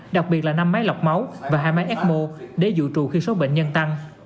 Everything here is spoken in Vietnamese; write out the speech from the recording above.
đặc biệt là năm máy lọc máu và hai máy ecmo để dụ trù khi số bệnh nhân tăng